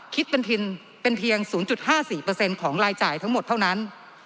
คิดเป็นทินเป็นเพียง๐๕๔ของรายจ่ายทั้งหมดเท่านั้น